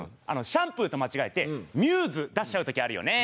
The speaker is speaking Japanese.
シャンプーと間違えてミューズ出しちゃう時あるよね。